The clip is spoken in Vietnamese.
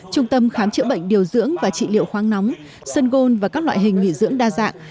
trung tâm khám chữa bệnh điều dưỡng và trị liệu khoáng nóng sân gôn và các loại hình nghỉ dưỡng đa dạng